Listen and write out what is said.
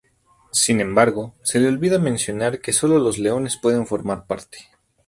Sin embargo, se le olvida mencionar que solo los leones pueden formar parte.